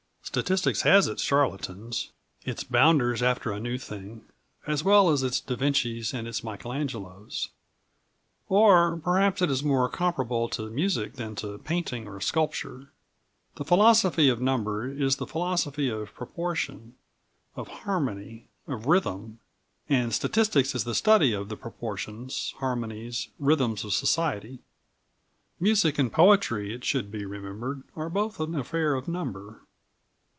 Statistics has its charlatans, its bounders after a new thing, as well as its Da Vincis and its Michelangelos. Or, perhaps it is more comparable to music than to painting or sculpture. The philosophy of number is the philosophy of proportion, of harmony, of rhythm, and statistics is the study of the proportions, harmonies, rhythms of society. Music and poetry, it should be remembered, are both an affair of number.